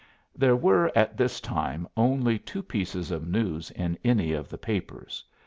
There were, at this time, only two pieces of news in any of the papers.